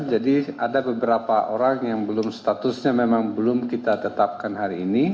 jadi ada beberapa orang yang belum statusnya memang belum kita tetapkan hari ini